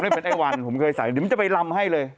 ไม่เป็นไอ้วันผมเคยใส่เดี๋ยวมันจะไปลำให้เลย